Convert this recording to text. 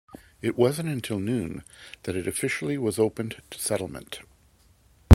It wasn't until noon that it officially was opened to settlement.